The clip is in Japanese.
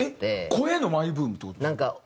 声のマイブームって事ですか？